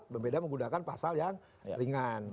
berbeda menggunakan pasal yang ringan